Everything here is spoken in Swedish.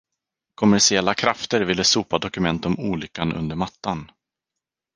Kommersiella krafter ville sopa dokument om olyckan under mattan.